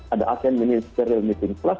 ada asean ministerial meeting class